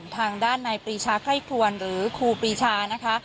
ทางสารชั้นต้นได้ยกฟ้องตอนนี้กันค่ะ